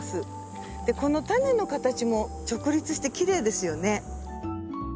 このタネの形も直立してきれいですよね。